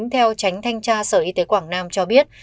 theo tránh thanh tra sở y tế quảng nam cho biết